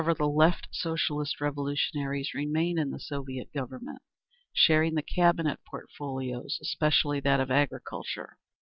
However, the Left Socialist Revolutionaries remained in the Soviet Government, sharing the Cabinet portfolios, especially that of Agriculture.